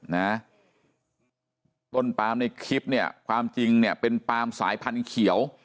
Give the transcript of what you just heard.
นะต้นปามในคลิปเนี่ยความจริงเนี่ยเป็นปาล์มสายพันธุ์เขียว